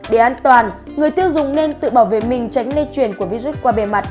để an toàn người tiêu dùng nên tự bảo vệ mình tránh lây chuyển của virus qua bề mặt